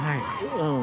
うん。